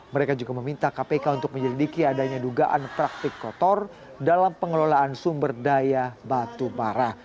mereka juga meminta kpk untuk menyelidiki adanya dugaan praktik kotor dalam pengelolaan sumber daya batu bara